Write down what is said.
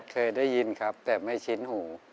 เคยได้ยินครับแต่ไม่ชิ้นหู